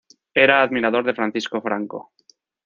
Era admirador de Francisco Franco.